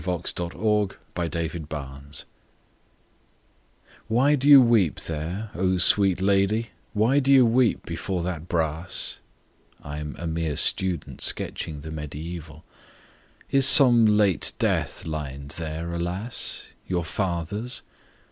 THE MEMORIAL BRASS: 186– "WHY do you weep there, O sweet lady, Why do you weep before that brass?— (I'm a mere student sketching the mediaeval) Is some late death lined there, alas?— Your father's?